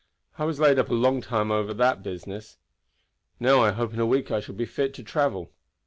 I was laid up a long time over that business. Now I hope in a week I shall be fit to travel."